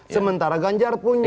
sementara ganjar punya